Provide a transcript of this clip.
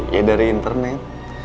ya dari internet